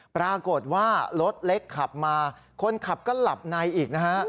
ปรากฏว่ารถเล็กขับมาคนขับก็หลับในอีกนะฮะ